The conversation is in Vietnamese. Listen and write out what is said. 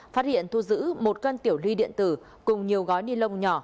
phát hiện thu giữ một cân tiểu ly điện tử cùng nhiều gói ni lông nhỏ